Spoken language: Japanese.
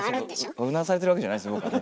うなされてるわけじゃないですね